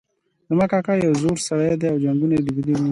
زما کاکا یو زړور سړی ده او جنګونه یې لیدلي دي